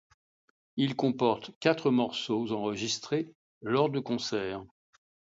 Il comporte quatre morceaux enregistrés lors de concerts.